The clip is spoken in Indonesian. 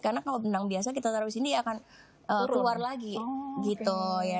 karena kalau benang biasa kita taruh di sini akan keluar lagi gitu ya